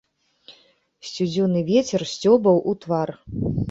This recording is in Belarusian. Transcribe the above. Студзёны вецер сцёбаў у твар.